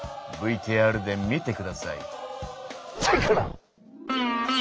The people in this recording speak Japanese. ＶＴＲで見てください。